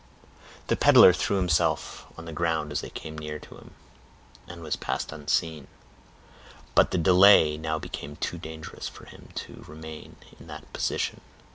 The peddler threw himself on the ground as they came near him, and was passed unseen. But delay now became too dangerous for him to remain in that position.